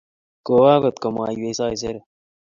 Kowa akot ko mwai wech saisere